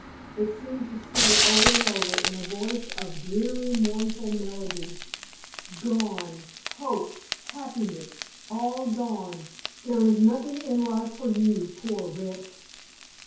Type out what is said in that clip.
It seemed to say over and over in a voice of dreary, mournful melody: "Gone! hope, happiness, all gone! There is nothing in life for you, poor wretch!"